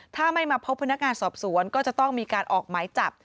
ถ้าไม่มาพบพนักงานสอบสวนก็จะต้องมีการออกหมายจับ